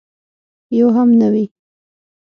یو هم نه وي.